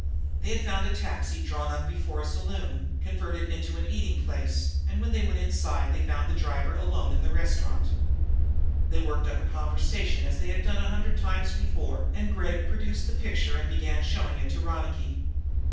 They had found a taxi drawn up before a saloon, converted into an eating place, and when they went inside they found the driver alone in the restaurant. They worked up the conversation, as they had done a hundred times before. Gregg produced the picture and began showing it to Ronicky.